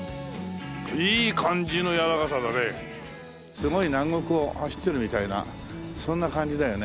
すごい南国を走ってるみたいなそんな感じだよね。